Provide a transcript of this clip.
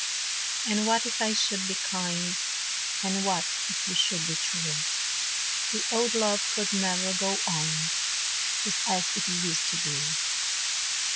And what if I should be kind? And what if you should be true? The old love could never go on, Just as it used to do.